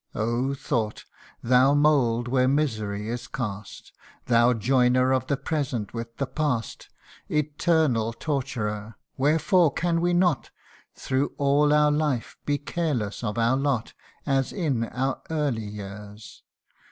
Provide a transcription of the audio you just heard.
Oh ! Thought, thou mould where misery is cast Thou joiner of the present with the past Eternal torturer ! wherefore can we not Through all our life be careless of our lot As in our early years